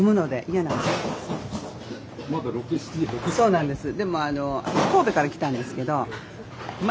そうなんです。